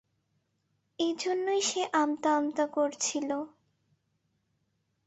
এজন্যই সে আমতা আমতা করছিল!